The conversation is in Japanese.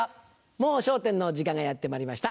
『もう笑点』の時間がやってまいりました。